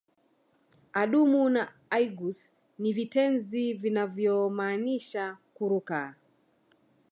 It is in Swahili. Adumu na aigus ni vitenzi vinavyomaanisha kuruka